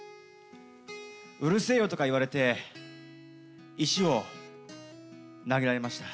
うるせえよ！とか言われて石を投げられました。